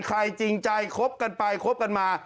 จริงใจคบกันไปคบกันมา